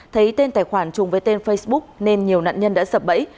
thấy tên tài khoản chung với tên facebook nên nhiều nạn nhân đã sập bẫy